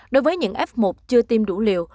đối với những f một chưa tiêm đủ liều